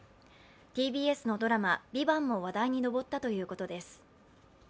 ＴＢＳのドラマ「ＶＩＶＡＮＴ」も話題に上ったということです。